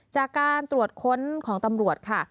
จากการตรวจค้นของตำรวจค่ะ